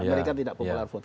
amerika tidak popular vote